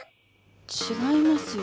違いますよ